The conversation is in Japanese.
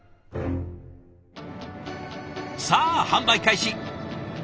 さあ販売開始！